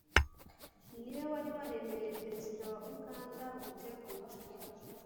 ni we wari waremereye perezida wa uganda gutegura